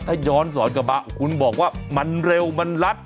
ถ้าย้อนสอนกลับมาคุณบอกว่ามันเร็วมันลัด